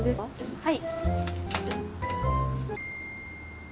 はい。